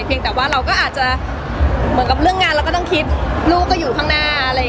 เพียงแต่ว่าเราก็อาจจะเหมือนกับเรื่องงานเราก็ต้องคิดลูกก็อยู่ข้างหน้า